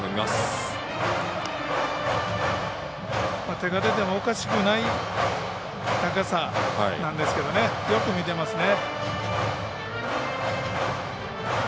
手が出てもおかしくない高さなんですけどよく見ていますね。